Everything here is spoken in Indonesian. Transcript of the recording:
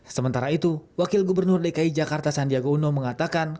sementara itu wakil gubernur dki jakarta sandiaga uno mengatakan